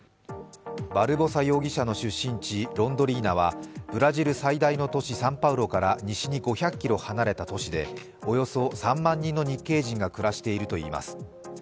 バルボサ容疑者の出身地、ロンドリーナはブラジル最大の都市、サンパウロから西に５００ｋｍ離れた都市でおよそ３万人の日系人が暮らしているといいます。